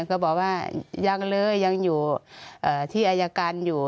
ก็บอกว่ายังเลยยังอยู่ที่อายการอยู่